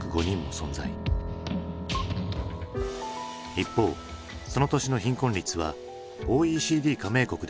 一方その年の貧困率はＯＥＣＤ加盟国で第３位。